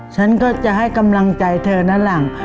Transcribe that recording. ฉันก็จะให้กำลังใจเธอด้านหลัง